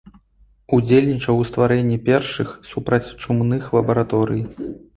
Удзельнічаў ў стварэнні першых супрацьчумных лабараторый.